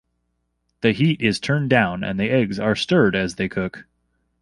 The heat is turned down and the eggs are stirred as they cook.